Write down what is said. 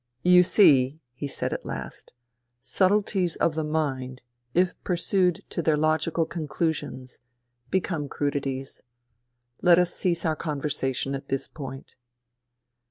" You see," he said at last, " subtleties of the mind, if pursued to their logical conclusions, become crudities. Let us cease our conversation at this point."